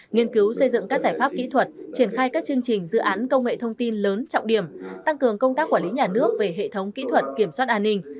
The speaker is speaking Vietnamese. nghiên cứu xây dựng các giải pháp kỹ thuật triển khai các chương trình dự án công nghệ thông tin lớn trọng điểm tăng cường công tác quản lý nhà nước về hệ thống kỹ thuật kiểm soát an ninh